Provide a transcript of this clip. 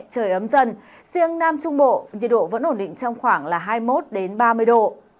trời ấm dần riêng nam trung bộ nhiệt độ vẫn ổn định trong khoảng là hai mươi một ba mươi độ